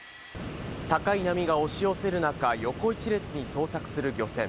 高い波が押し寄せる中、横一列に捜索する漁船。